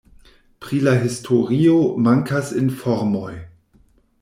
Pri la historio mankas informoj.